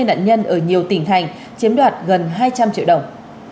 hai nạn nhân ở nhiều tỉnh thành chiếm đoạt gần hai trăm linh triệu đồng